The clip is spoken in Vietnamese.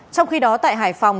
trong khi đó tại hải phòng